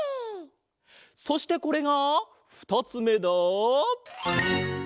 そしてこれがふたつめだ。